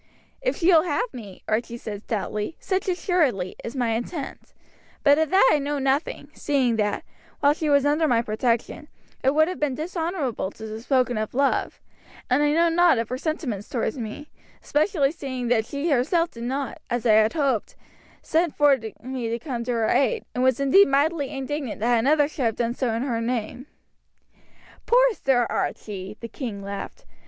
"If she will have me," Archie said stoutly, "such assuredly, is my intent; but of that I know nothing, seeing that, while she was under my protection, it would have been dishonourable to have spoken of love; and I know nought of her sentiments toward me, especially seeing that she herself did not, as I had hoped, send for me to come to her aid, and was indeed mightily indignant that another should have done so in her name." "Poor Sir Archie!" the king laughed.